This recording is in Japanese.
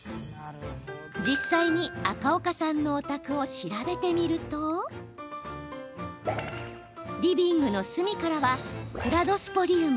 実際に赤岡さんのお宅を調べてみるとリビングの隅からはクラドスポリウム。